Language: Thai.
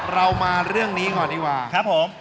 เรามาเรื่องนี้ก่อนดีกว่าครับผม